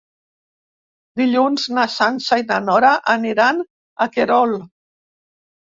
Dilluns na Sança i na Nora aniran a Querol.